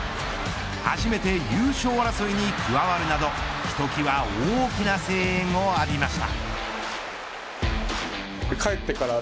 初めて優勝争いに加わるなどひときわ大きな声援を浴びました。